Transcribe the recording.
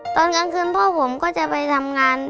ตอนกลางคืนพ่อผมก็จะไปทำงานเป็นเงิน